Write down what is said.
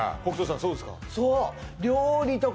そうですか？